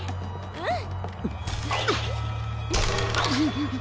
うん？